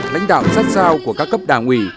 lãnh đạo sát sao của các cấp đảng ủy